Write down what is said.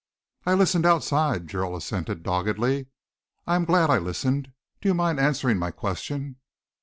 "I listened outside," Gerald assented doggedly. "I am glad I listened. Do you mind answering my question?"